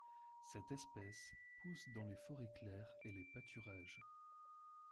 Cette espèce pousse dans les forêts claires et les pâturages.